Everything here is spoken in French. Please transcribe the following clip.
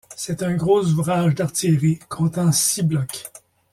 C'est un gros ouvrage d'artillerie, comptant six blocs.